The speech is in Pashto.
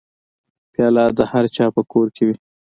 پیاله د هرچا په کور کې وي.